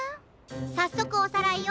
さっそくおさらいよ。